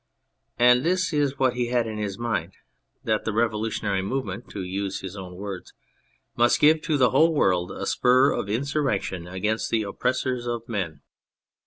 And this was what he had in his mind : that the revolutionary movement, to use his own words, "must give to the whole world a spur of insurrection against the oppressors of men."